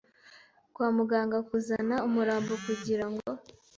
kwa muganga kuzana umurambo kugirango